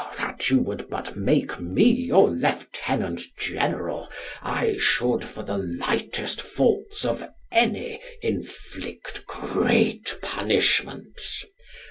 Oh that you would but make me your lieutenant general, I should for the lightest faults of any inflict great punishments.